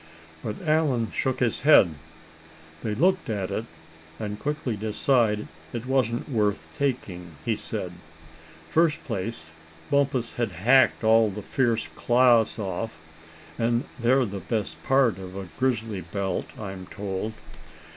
But Allan shook his head. "They looked at it, and quickly decided it wasn't worth taking," he said. "First place, Bumpus had hacked all the fierce claws off, and they're the best part of a grizzly pelt, I'm told.